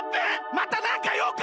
またなんかようか？